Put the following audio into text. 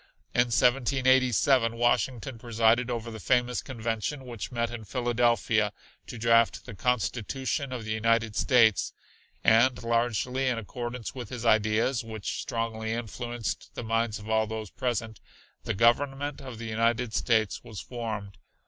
In 1787 Washington presided over the famous convention which met in Philadelphia to draft the Constitution of the United States, and largely in accordance with his ideas, which strongly influenced the minds of all those present, the Government of the United States was formed.